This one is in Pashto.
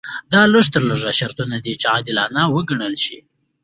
دا لږ تر لږه شرطونه دي چې عادلانه وګڼل شي.